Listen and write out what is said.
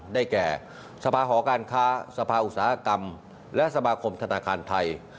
ได้แก่สภาหอการค้าสภาอุตสาหกรรมและสมาคมธนาคารไทย